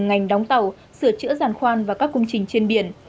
ngành đóng tàu sửa chữa giàn khoan và các công trình trên biển